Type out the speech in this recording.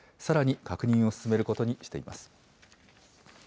さらに確認を進めることにしています。